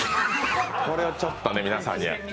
これをちょっと皆さんに。